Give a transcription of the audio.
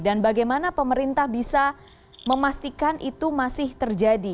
dan bagaimana pemerintah bisa memastikan itu masih terjadi